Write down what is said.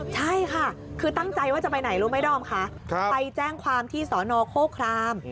ใช่ค่ะคือตั้งใจว่าจะไปไหนรู้ไหมดอมค่ะไปแจ้งความที่สอนอโคคราม